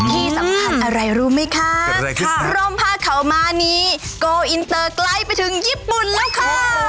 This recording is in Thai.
ที่สำคัญอะไรรู้ไหมคะร่มผ้าเขามานี้โกอินเตอร์ไกลไปถึงญี่ปุ่นแล้วค่ะ